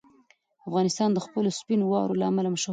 افغانستان د خپلو سپینو واورو له امله مشهور دی.